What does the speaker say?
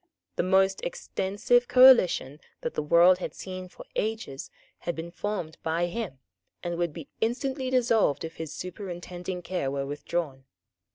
The most extensive coalition that the world had seen for ages had been formed by him, and would be instantly dissolved if his superintending care were withdrawn.